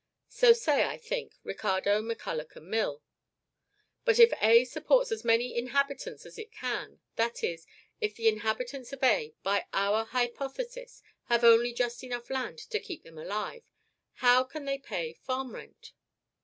So say, I think, Ricardo, MacCulloch, and Mill. But if A supports as many inhabitants as it can contain, that is, if the inhabitants of A, by our hypothesis, have only just enough land to keep them alive, how can they pay farm rent?